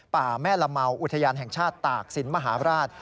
ป่าแม่ละเมาอุทยานแห่งชาติตากศิลปมหาราช